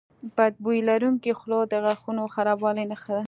بد بوی لرونکي خوله د غاښونو خرابوالي نښه ده.